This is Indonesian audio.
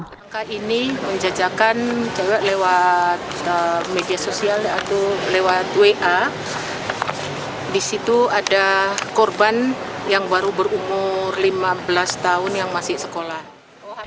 mereka ini menjajakan lewat media sosial atau lewat wa di situ ada korban yang baru berumur lima belas tahun yang masih sekolah